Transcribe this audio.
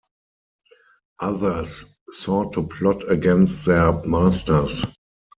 Others sought to plot against their masters.